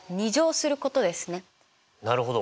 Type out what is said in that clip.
なるほど。